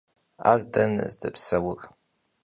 Ar dene zdepseur?